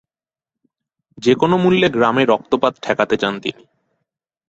যেকোনো মূল্যে গ্রামে রক্তপাত ঠেকাতে চান তিনি।